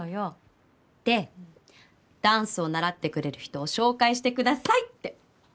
でダンスを習ってくれる人を紹介してくださいって。